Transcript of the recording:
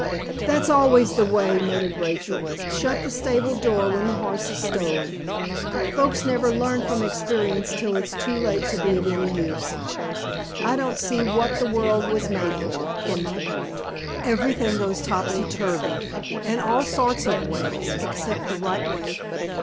"That's always the way," muttered Rachel. "Shut the stable door when the horse is stolen. Folks never learn from experience till it's too late to be of any use. I don't see what the world was made for, for my part. Everything goes topsy turvy, and all sorts of ways except the right way.